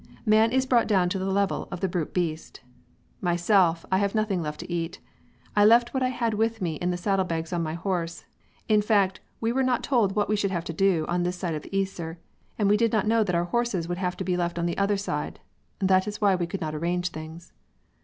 Man is brought down to the level of the brute beast. Myself, I have nothing left to eat; I left what I had with me in the saddlebags on my horse. In fact, we were not told what we should have to do on this side of the Yser, and we did not know that our horses would have to be left on the other side. That is why we could not arrange things.